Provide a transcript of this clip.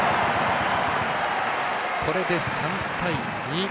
これで３対２。